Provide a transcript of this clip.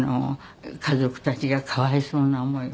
家族たちがかわいそうな思いを。